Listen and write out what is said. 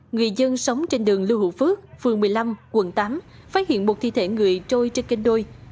người dân sống trên đường lưu hữu phước phường một mươi năm quận tám phát hiện một thi thể người trôi trên kênh đôi